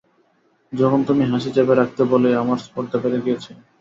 তখন তুমি হাসি চেপে রাখতে বলেই আমার স্পর্ধা বেড়ে গিয়েছিল।